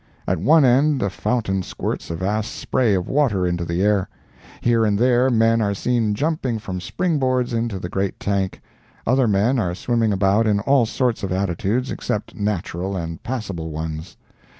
At one end a fountain squirts a vast spray of water into the air. Here and there men are seen jumping from spring boards into the great tank; other men are swimming about in all sorts of attitudes except natural and passable ones.